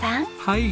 はい。